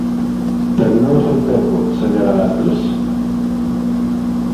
Terminou o seu tempo, señora Lastres.